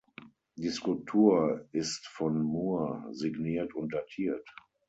Die Skulptur ist von Moore signiert und datiert.